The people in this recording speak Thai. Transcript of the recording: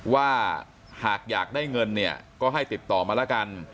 ว่าหากอยากได้เงินก็ให้ติดต่อมั้ละกัน